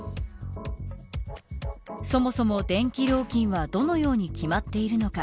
そもそも電気料金はどのように決まっているのか。